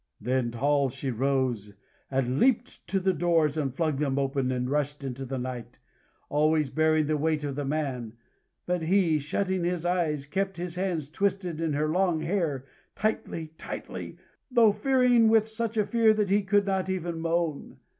Then tall she rose, and leaped to the doors, and flung them open, and rushed into the night, always bearing the weight of the man. But he, shutting his eyes, kept his hands twisted in her long hair, tightly, tightly, though fearing with such a fear that he could not even moan.